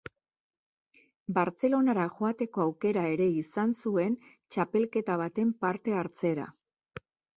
Bartzelonara joateko aukera ere izan zuen txapelketa baten parte hartzera.